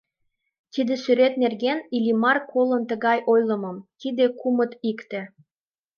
Тиде сӱрет нерген Иллимар колын тыгай ойлымым: тиде кумыт-икте.